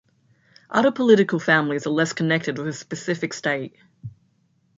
Other political families are less connected with a specific state.